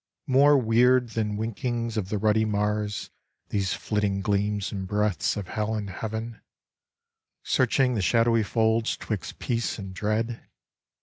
More weird than winkings of the ruddy Mars These flitting gleams and breaths of hell and heaven, Searching the shadowy folds 'twixt peace and dread!